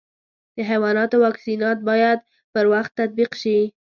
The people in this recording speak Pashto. د حیواناتو واکسینات باید پر وخت تطبیق شي.